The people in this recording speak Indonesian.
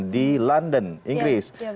di london inggris